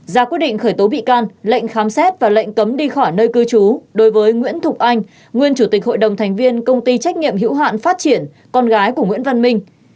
ra quyết định khởi tố bị can lệnh khám xét và lệnh cấm đi khỏi nơi cư trú đối với nguyễn thục anh nguyên chủ tịch hội đồng thành viên công ty trách nhiệm hữu hạn phát triển con gái của nguyễn văn minh